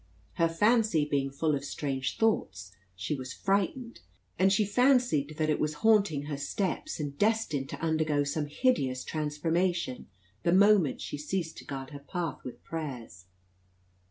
Her fancy being full of strange thoughts, she was frightened, and she fancied that it was haunting her steps, and destined to undergo some hideous transformation, the moment she ceased to guard her path with prayers.